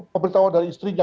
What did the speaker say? pemberitahuan dari istrinya